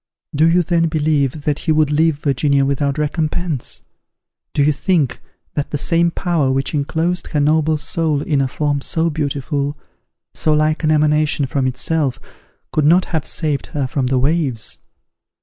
Do you then believe that he would leave Virginia without recompense? Do you think that the same Power which inclosed her noble soul in a form so beautiful, so like an emanation from itself, could not have saved her from the waves?